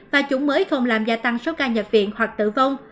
và chủng mới không làm gia tăng số ca nhập viện hoặc tử vong